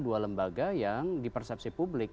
dua lembaga yang di persepsi publik